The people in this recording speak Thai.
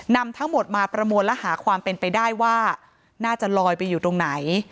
นำทั้งหมดมาประมวลและหาความเป็นไปได้ว่าน่าจะลอยไปอยู่ตรงไหน